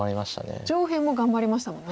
上辺も頑張りましたもんね。